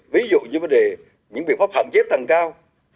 ví dụ như những biện pháp hạn chế tầng cao